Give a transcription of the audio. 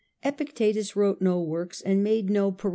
Epictetus wrote no works and made no parade in CII.